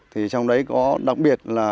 thì trong đấy có đặc biệt là